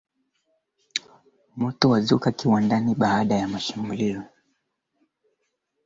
Mombasa ni jiji kuu sana katika nchi ya Kenya.